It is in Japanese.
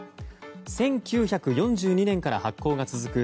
１９４２年から発行が続く